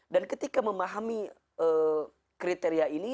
dan ketika memahami kriteria ini